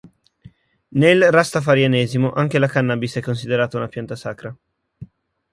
Nel Rastafarianesimo anche la cannabis è considerata una pianta sacra.